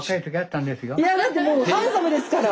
いやだってもうハンサムですから！